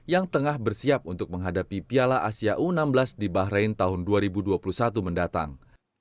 yang tengah bersiap untuk menghadapi piala asia u enam belas di bahrain tahun dua ribu dua puluh satu mendatang